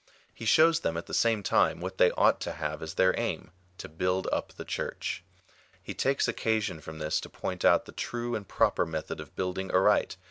He shows them, at the same time, what they ought to have as their aim — to build up the Church. He takes occasion from this to point out the true and proper method of building aright.